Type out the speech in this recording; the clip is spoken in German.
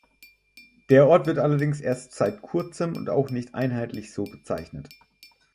Der Ort wird allerdings erst seit kurzem und auch nicht einheitlich so bezeichnet.